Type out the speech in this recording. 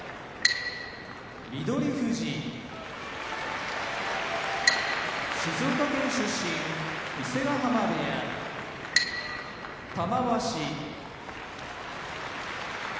翠富士静岡県出身伊勢ヶ濱部屋玉鷲モンゴル出身